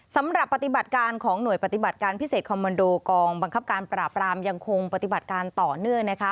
สำหรับปฏิบัติการของหน่วยปฏิบัติการพิเศษคอมมันโดกองบังคับการปราบรามยังคงปฏิบัติการต่อเนื่องนะคะ